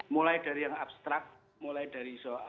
mulai dari yang abstrak mulai dari